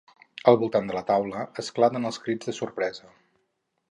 Al voltant de la taula esclaten els crits de sorpresa.